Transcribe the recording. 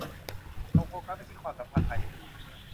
จงโฟกัสไปที่ความสัมพันธ์ภายในทีม